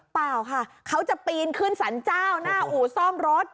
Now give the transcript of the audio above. เปล่าค่ะเขาจะปีนขึ้นสรรเจ้าหน้าอู่ซ่อมรถ